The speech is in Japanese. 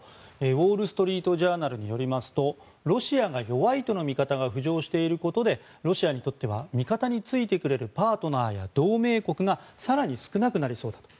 ウォール・ストリート・ジャーナルによりますとロシアが弱いとの見方が浮上していることでロシアにとっては味方についてくれるパートナーや同盟国が更に少なくなりそうだと。